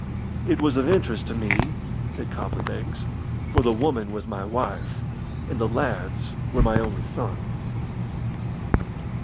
"It was of interest to me," said Copley Banks, "for the woman was my wife, and the lads were my only sons."